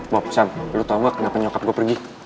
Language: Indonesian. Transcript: maaf sam lo tau gak kenapa nyokap gue pergi